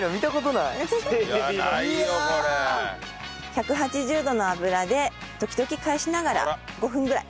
１８０度の油で時々返しながら５分ぐらい。